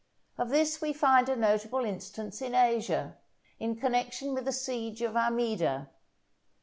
Of this we find a notable instance in Asia, in connection with the siege of Amida.